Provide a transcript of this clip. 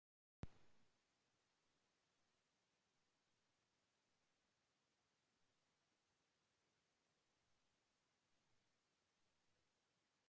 "Fools Gold" became the band's biggest commercial hit at the time.